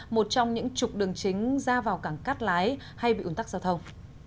một trong những chục đường chính ra vào cảng cát lái hay bị ủn tắc giao thông